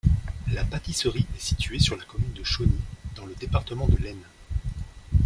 La Pâtisserie est située sur la commune de Chauny, dans le département de l'Aisne.